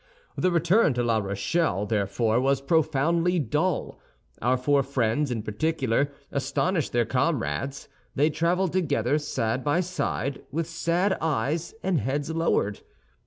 The return to La Rochelle, therefore, was profoundly dull. Our four friends, in particular, astonished their comrades; they traveled together, side by side, with sad eyes and heads lowered.